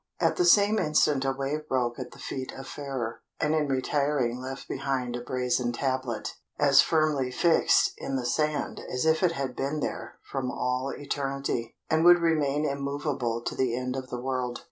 At the same instant a wave broke at the feet of Fairer, and in retiring left behind a brazen tablet, as firmly fixed in the sand as if it had been there from all eternity, and would remain immovable to the end of the world.